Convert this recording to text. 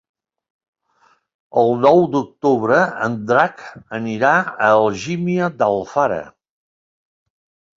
El nou d'octubre en Drac anirà a Algímia d'Alfara.